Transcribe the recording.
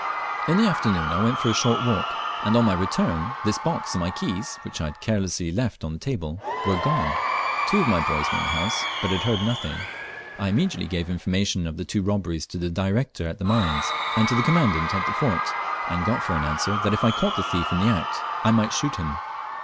In the afternoon I went for a short walk, and on my return this box and my keys, which I had carelessly left on the table, were gone. Two of my boys were in the house, but had heard nothing. I immediately gave information of the two robberies to the Director at the mines and to the Commandant at the fort, and got for answer, that if I caught the thief in the act I might shoot him.